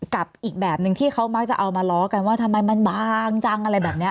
กับอีกแบบหนึ่งที่เขามักจะเอามาล้อกันว่าทำไมมันบางจังอะไรแบบนี้